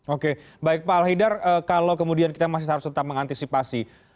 oke baik pak alhidar kalau kemudian kita masih harus tetap mengantisipasi